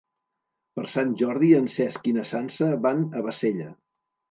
Per Sant Jordi en Cesc i na Sança van a Bassella.